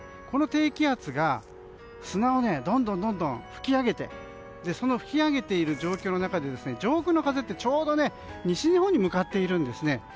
この低気圧が砂をどんどん吹き上げてその吹き上げている中で上空の風ってちょうど西日本に向かっているんですね。